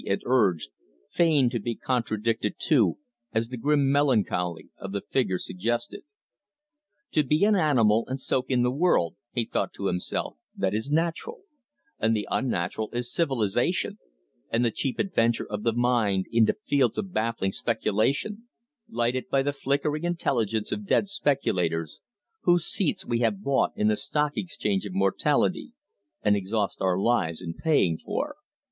it urged, fain to be contradicted too, as the grim melancholy of the figure suggested. "To be an animal and soak in the world," he thought to himself "that is natural; and the unnatural is civilisation, and the cheap adventure of the mind into fields of baffling speculation, lighted by the flickering intelligences of dead speculators, whose seats we have bought in the stock exchange of mortality, and exhaust our lives in paying for.